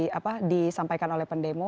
itu apa yang disampaikan oleh pendemo